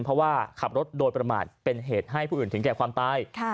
เพราะว่าขับรถโดยประมาทเป็นเหตุให้ผู้อื่นถึงแก่ความตาย